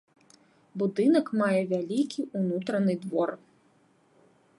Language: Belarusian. Будынак мае вялікі ўнутраны двор.